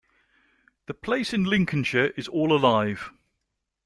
The place in Lincolnshire is all alive.